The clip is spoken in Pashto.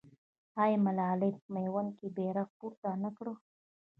آیا ملالۍ په میوند کې بیرغ پورته نه کړ؟